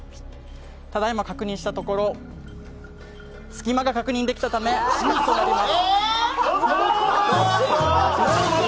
ただいま確認したところ、隙間が確認できたため失格となります。